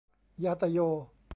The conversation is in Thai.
ญาตะโย